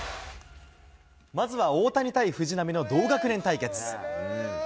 まずは大谷対藤浪の同学年対決。